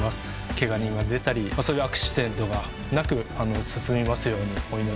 ケガ人が出たりそういうアクシデントがなく進みますようにお祈り申し上げます。